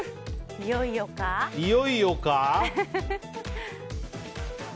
いよいよか？